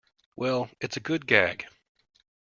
Well, it's a good gag.